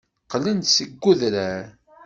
Qqlen-d seg udrar.